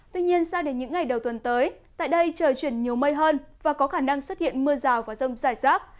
tuy nhiên sau đến những ngày đầu tuần tới tại đây trời chuyển nhiều mây hơn và có khả năng xuất hiện mưa rào vào rông dài rác